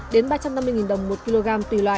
đến ba trăm năm mươi đồng một kg tùy loại